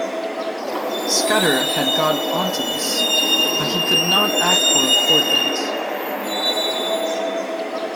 Scudder had got on to this, but he could not act for a fortnight.